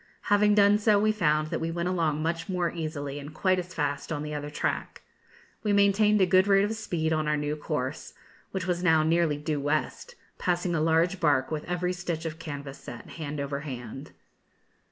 Having done so, we found that we went along much more easily and quite as fast on the other tack. We maintained a good rate of speed on our new course, which was now nearly due west, passing a large barque with every stitch of canvas set, hand over hand.